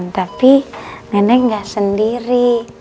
tapi nenek gak sendiri